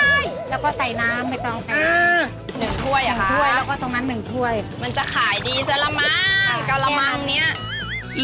หนึ่งถ้วยอะคะหนึ่งถ้วยแล้วก็ตรงนั้นหนึ่งถ้วยมันจะขายดีซะละมั้งกะละมั้งเนี่ย